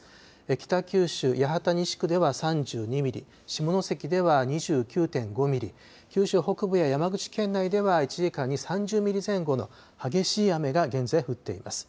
北九州、八幡西区では３２ミリ、下関では、２９．５ミリ、九州北部や山口県内では、１時間に３０ミリ前後の激しい雨が現在降っています。